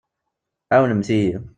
Ɛewnemt-iyi.